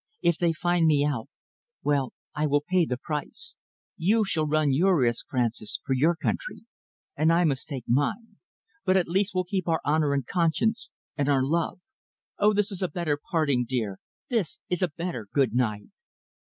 If they find me out, well, I will pay the price. You shall run your risk, Francis, for your country, and I must take mine; but at least we'll keep our honour and our conscience and our love. Oh, this is a better parting, dear! This is a better good night!"